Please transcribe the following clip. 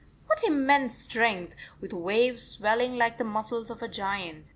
What immense strength, with waves swelling like the muscles of a giant!